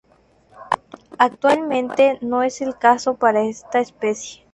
Actualmente, no es el caso para esta especie.